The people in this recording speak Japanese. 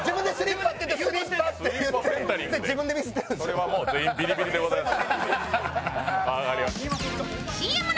これはもう、全員ビリビリでございます。